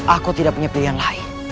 aku tidak punya pilihan lain